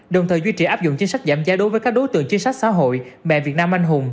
đồng thời duy trì áp dụng chính sách giảm giá đối với các đối tượng chính sách xã hội mẹ việt nam anh hùng